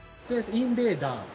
インベーダー？